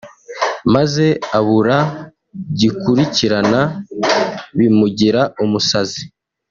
maze abura gikurikirana bimugira umusazi